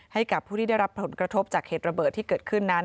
ให้กับผู้ที่ได้รับผลกระทบจากเหตุระเบิดที่เกิดขึ้นนั้น